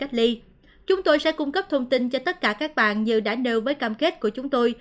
chúng tôi sẽ cung cấp thông tin cho tất cả các bạn như đã nêu với cam kết của chúng tôi